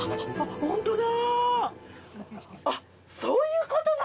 ホントだ！